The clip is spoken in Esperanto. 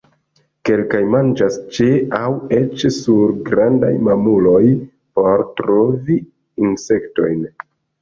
Kelkaj manĝas ĉe aŭ eĉ sur grandaj mamuloj por trovi insektojn.